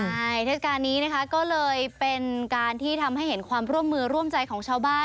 ใช่เทศกาลนี้นะคะก็เลยเป็นการที่ทำให้เห็นความร่วมมือร่วมใจของชาวบ้าน